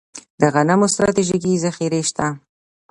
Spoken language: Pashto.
د غنمو ستراتیژیکې ذخیرې شته